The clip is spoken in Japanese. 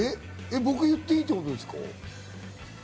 僕、言っていいってことですか？